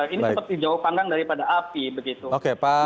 ini seperti jauh panggang daripada api begitu